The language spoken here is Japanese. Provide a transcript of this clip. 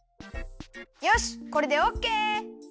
よしこれでオッケー！